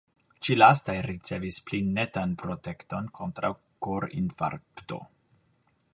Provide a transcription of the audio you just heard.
Ĉi-lastaj ricevis pli netan protekton kontraŭ korinfarkto.